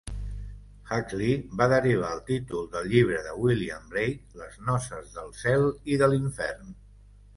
Huxley va derivar el títol del llibre de William Blake "Les noces del cel i de l'infern".